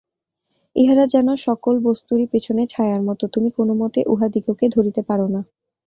ইহারা যেন সকল বস্তুরই পিছনে ছায়ার মত, তুমি কোনমতে উহাদিগকে ধরিতে পার না।